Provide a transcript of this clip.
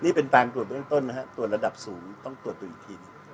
นี่เป็นการตรวจเบื้องต้นนะฮะตรวจระดับสูงต้องตรวจตรวจอีกที